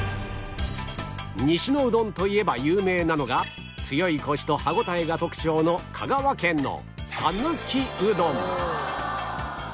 西のうどんといえば有名なのが強いコシと歯応えが特徴の香川県の